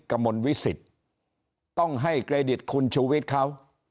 กมลวิสิตต้องให้เกรดิตคุณชูวิตเขา